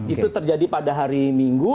itu terjadi pada hari minggu